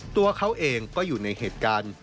ตัวเขาเองก็อยู่ในเหตุการณ์